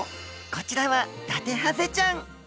こちらはダテハゼちゃん。